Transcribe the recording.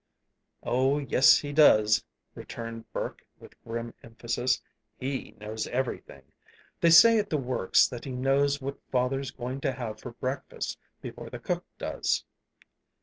"Oh, yes, he does," returned Burke, with grim emphasis. "He knows everything. They say at the Works that he knows what father's going to have for breakfast before the cook does."